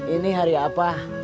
ini hari apa